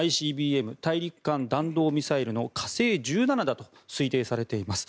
ＩＣＢＭ・大陸間弾道ミサイルの火星１７だと推定されています。